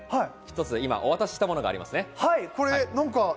お渡ししたものがありますね。